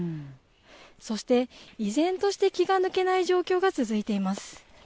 そして依然として気が抜けない状況が続いています。